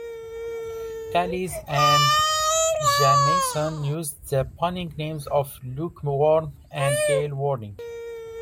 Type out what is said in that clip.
Callis and Jamieson used the punning names of Luke Warm and Gail Warning.